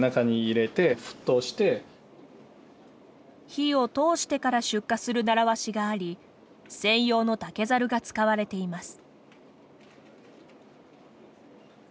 火を通してから出荷する習わしがあり専用の竹ざるが使われています。